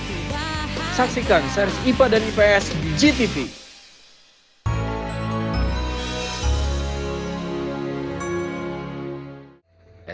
hai saksikan seri ipad dan ips di gtv